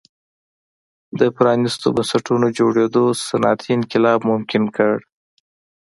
د پرانیستو بنسټونو جوړېدو صنعتي انقلاب ممکن کړ.